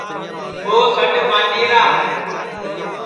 ٻو سڈؔ مانی را ہے